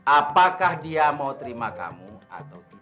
apakah dia mau terima kamu atau tidak